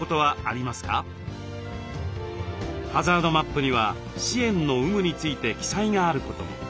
ハザードマップには支援の有無について記載があることも。